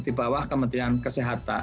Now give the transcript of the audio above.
di bawah kementerian kesehatan